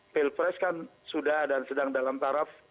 pilpres kan sudah dan sedang dalam taraf